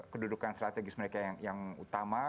kedudukan strategis mereka yang utama